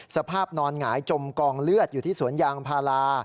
สภาพนอนหงายจมกองเลือดอยู่ที่สวนยางพารา